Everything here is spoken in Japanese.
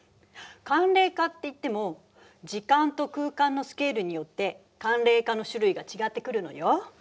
寒冷化っていっても時間と空間のスケールによって寒冷化の種類が違ってくるのよ。